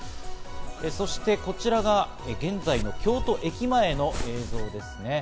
そして、こちらが現在の京都駅前の映像ですね。